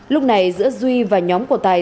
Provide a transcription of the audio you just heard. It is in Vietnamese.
lúc này giữa duy và nhóm của tài